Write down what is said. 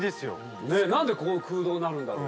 何でここ空洞になるんだろう。